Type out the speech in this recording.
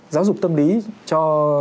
giáo dục tâm lý cho